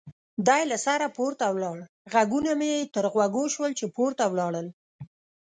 دی له سره پورته ولاړ، غږونه مې یې تر غوږو شول چې پورته ولاړل.